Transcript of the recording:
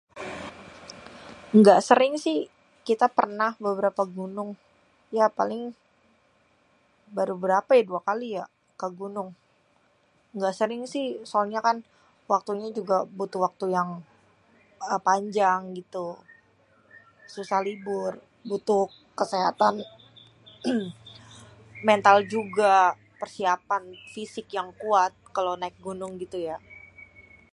Gak sering si, kita pernah beberapa gunung. Ya paling baru berape yeh, dua kali ya ke gunung, gak sering si soalnya kan waktunya juga butuh waktu yang panjang gitu. Susah libur, butuh kesehatan, mental juga, persiapan fisik yang kuat kalau naik gunung gitu ya.